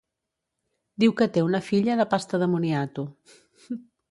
Diu que té una filla de pasta de moniato.